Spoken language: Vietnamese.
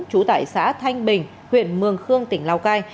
trú tại xã thanh bình huyện mường khương tỉnh lào cai